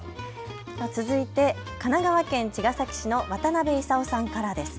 続いて神奈川県茅ヶ崎市の渡辺勲さんからです。